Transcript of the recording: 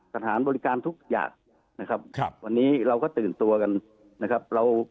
สถานบริการทุกอย่างนะครับวันนี้เราก็ตื่นตัวกันนะครับ